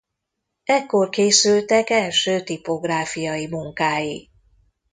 Ekkor készültek első tipográfiai munkái.